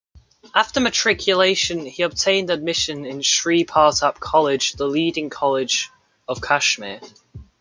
After matriculation he obtained admission in Shri Partap College, the leading college of Kashmir.